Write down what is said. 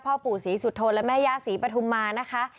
พ่อปู่ศรีสุธนและแม่ย่าศรีปฐุมมานะคะ